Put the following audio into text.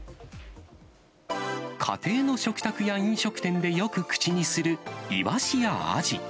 家庭の食卓や飲食店でよく口にするイワシやアジ。